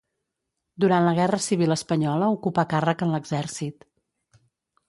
Durant la guerra civil espanyola ocupà càrrec en l'exèrcit.